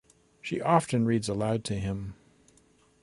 She often read aloud to him.